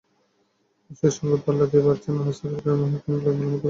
সেই সঙ্গে পাল্লা দিয়ে বাড়ছে নানা সাইবার ক্রাইম, হ্যাকিং, ব্ল্যাকমেলের মতো ঘটনা।